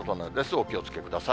お気をつけください。